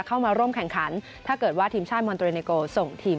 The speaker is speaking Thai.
เข้ามาร่วมแข่งขันถ้าเกิดว่าทีมชาติมอนเตรเนโกส่งทีม